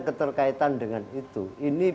keterkaitan dengan itu ini